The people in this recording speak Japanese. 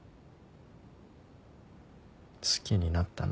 好きになったの？